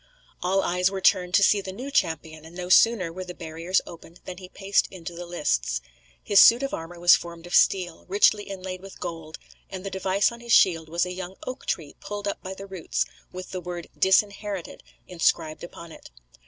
All eyes were turned to see the new champion, and no sooner were the barriers opened than he paced into the lists. His suit of armour was formed of steel, richly inlaid with gold, and the device on his shield was a young oak tree pulled up by the roots, with the word "Disinherited" inscribed upon it.